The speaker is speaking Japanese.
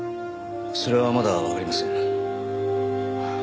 それはまだわかりません。